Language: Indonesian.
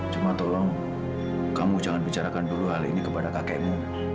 cuma tolong kamu jangan bicarakan dulu hal ini kepada kakekmu